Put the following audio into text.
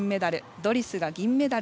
ドリスが銀メダル